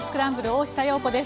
大下容子です。